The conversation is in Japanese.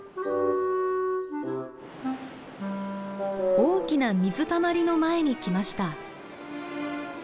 大きな水たまりの前に来ました。